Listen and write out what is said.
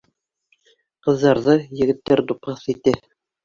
Ҡыҙҙарҙы егеттәр тупаҫ итә!